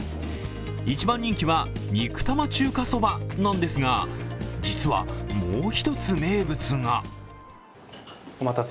一番人気は肉玉中華そばなんですが、実はもう一つ名物が。